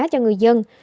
cho người dân